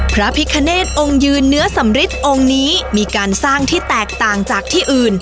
พระพิคเนตองค์ยืนเนื้อสำริทองค์นี้มีการสร้างที่แตกต่างจากที่อื่น